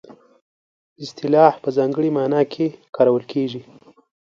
اصطلاح په ځانګړې مانا کې کارول کیږي